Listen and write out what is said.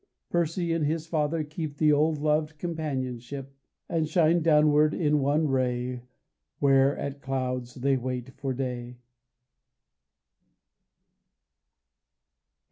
Percy and his father keep The old loved companionship, And shine downward in one ray Where at Clouds they wait for day.